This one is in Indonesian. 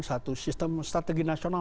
satu sistem strategi nasional